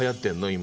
今。